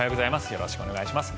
よろしくお願いします。